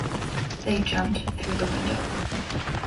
They jumped through the window.